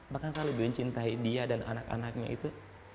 bahkan saya lebih mencintai dia dan anak anaknya itu